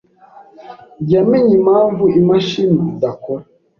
yamenye impamvu imashini idakora.